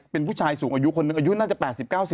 เป็นผู้ชายสูงอายุคนอายุน่าจะ๘๐๙๐อ่ะ